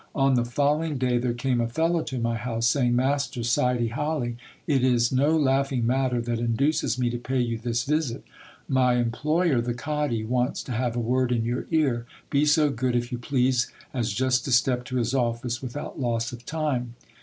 On the follow ing day there came a fellow to my house, saying, Master Sidy Hali, it is no laughing matter that induces me to pay you this visit My employer, the cadi, wants to have a word in your ear ; be so good, if you please, as just to step to his office, without loss of time.